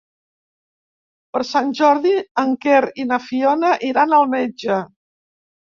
Per Sant Jordi en Quer i na Fiona iran al metge.